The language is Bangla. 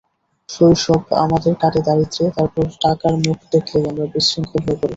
শৈশব আমাদের কাটে দারিদ্র্যে, তারপর টাকার মুখ দেখলেই আমরা বিশৃঙ্খল হয়ে পড়ি।